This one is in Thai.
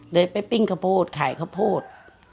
เดินไปปิ้งขอโพดขายขอโพด